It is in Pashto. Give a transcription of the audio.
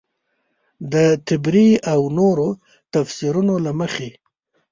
د طبري او نورو تفیسیرونو له مخې.